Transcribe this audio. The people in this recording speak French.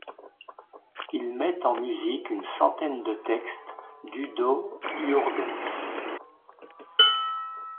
Il met en musique une centaine de textes d'Udo Jürgens.